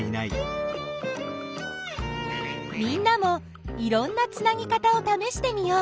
みんなもいろんなつなぎ方をためしてみよう。